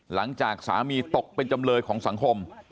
หลังจากสามีตกเป็นจำเลยของสังคม